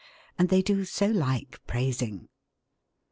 And they do so like praising!